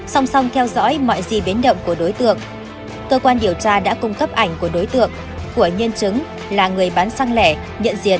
song song theo dõi mọi gì biến động của đối tượng cơ quan điều tra đã cung cấp ảnh của đối tượng của nhân chứng là người bán xăng lẻ nhận diện